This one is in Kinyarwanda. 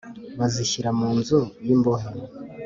bazishyira mu nzu y imbohe